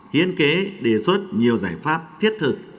hiên kế đề xuất nhiều giải pháp thiết thực